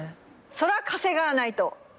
そら稼がないと！